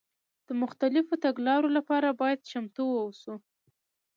د مختلفو تګلارو لپاره باید چمتو واوسو.